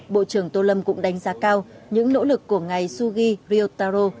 bộ trưởng tô lâm cũng đánh giá cao những nỗ lực của ngài sugi ryotaro